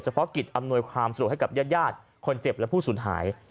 เพาะกิจอำนวยความสะดวกให้กับญาติคนเจ็บและผู้สูญหาย